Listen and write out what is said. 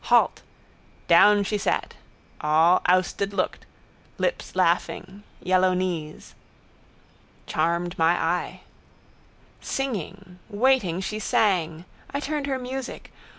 Halt. Down she sat. All ousted looked. Lips laughing. Yellow knees. —Charmed my eye... Singing. Waiting she sang. I turned her music.